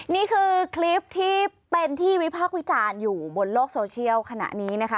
นี่คือคลิปที่เป็นที่วิพากษ์วิจารณ์อยู่บนโลกโซเชียลขณะนี้นะคะ